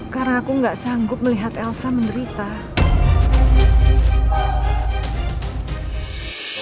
dan aku dalam posisi terjepit seperti andin